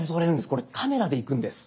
これカメラでいくんです。